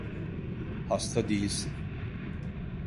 Hasta değilsin.